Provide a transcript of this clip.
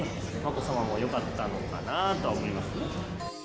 眞子さまもよかったのかなと思います。